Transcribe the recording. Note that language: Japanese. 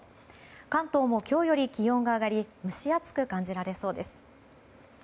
関東も今日より気温が上がり蒸し暑く感じられそうです。